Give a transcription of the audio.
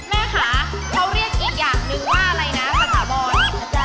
แม่ค่ะเขาเรียกอีกอย่างหนึ่งว่าอะไรนะภาษาบอน